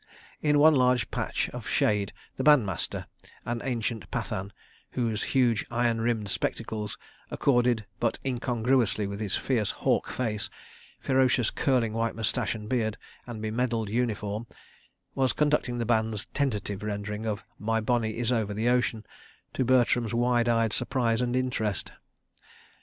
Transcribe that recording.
In one large patch of shade the Bandmaster—an ancient Pathan, whose huge iron rimmed spectacles accorded but incongruously with his fierce hawk face, ferocious curling white moustache and beard, and bemedalled uniform—was conducting the band's tentative rendering of "My Bonnie is over the Ocean," to Bertram's wide eyed surprise and interest.